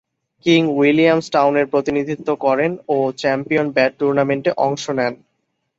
King Williams টাউনের প্রতিনিধিত্ব করেন ও চ্যাম্পিয়ন ব্যাট টুর্নামেন্টে অংশ নেন।